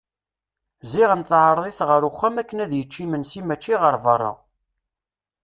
Ziɣen teɛreḍ-it ɣer uxxam akken ad yečč imensi mačči ɣer berra.